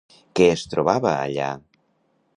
Què es trobava allà?